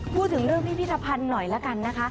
พูดถึงเรื่องพิพิธภัณฑ์หน่อยละกันนะคะ